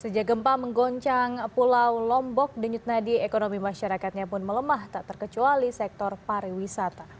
sejak gempa menggoncang pulau lombok denyutnadi ekonomi masyarakatnya pun melemah tak terkecuali sektor pariwisata